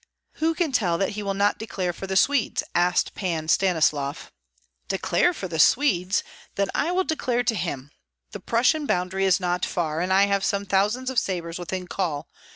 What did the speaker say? "Who can tell that he will not declare for the Swedes?" asked Pan Stanislav. "Declare for the Swedes? Then I will declare to him! The Prussian boundary is not far, and I have some thousands of sabres within call!